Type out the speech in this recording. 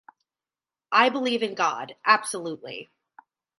I believe in God, absolutely.